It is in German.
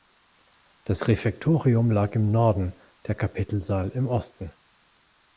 Das Refektorium lag im Norden, der Kapitelsaal im Osten.